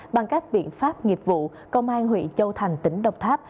bằng các biện pháp nghiệp vụ công an huyện châu thành tỉnh độc tháp